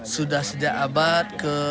sudah sejak abad ke enam belas